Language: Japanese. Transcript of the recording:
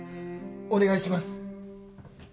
お願いします